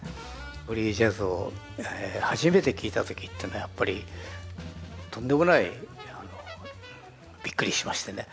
フリージャズを初めて聴いた時っていうのはやっぱりとんでもないびっくりしましてね